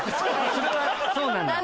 それはそうなんだ。